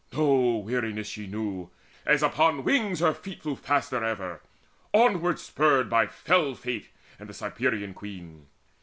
No weariness she knew: as upon wings Her feet flew faster ever, onward spurred By fell Fate, and the Cyprian Queen.